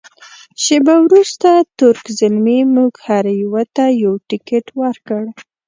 شیبه وروسته تُرک زلمي موږ هر یوه ته یو تکټ ورکړ.